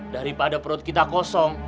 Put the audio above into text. daripada perut kita kosong